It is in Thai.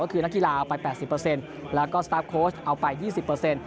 ก็คือนักกีฬาเอาไป๘๐เปอร์เซ็นต์แล้วก็สตาปโค้ชเอาไป๒๐เปอร์เซ็นต์